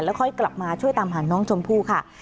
ค่อยกลับมาช่วยตามหาน้องชมพู่ค่ะ